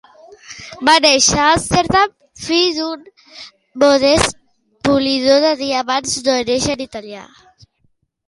Va néixer a Amsterdam, fill d'un modest polidor de diamants d'origen italià.